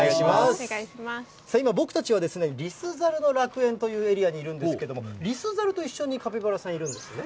今、僕たちはリスザルの楽園というエリアにいるんですけれども、リスザルと一緒に、カピバラさん、いるんですね。